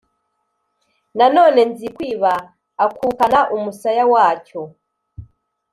Na none Nzikwiba akukana umusaya wacyo